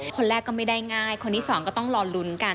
คนแรกก็ไม่ได้ง่ายคนที่สองก็ต้องรอลุ้นกัน